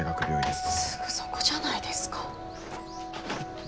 すぐそこじゃないですか。